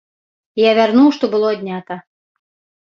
Я вярнуў, што было аднята.